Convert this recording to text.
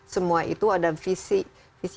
semua itu ada visi